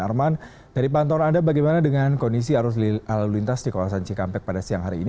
arman dari pantauan anda bagaimana dengan kondisi arus lalu lintas di kawasan cikampek pada siang hari ini